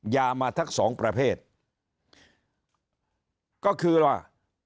ยามาทั้งสองประเภทก็คือว่า